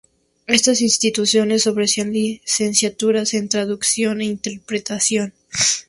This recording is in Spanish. Estas instituciones ofrecían licenciaturas en traducción e interpretación.